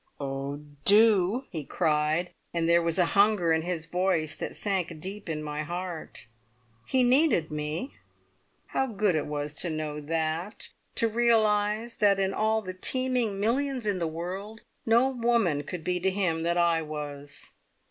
"Oh, do!" he cried, and there was a hunger in his voice that sank deep in my heart. He needed me! How good it was to know that, to realise that in all the teeming millions in the world no woman could be to him that I was!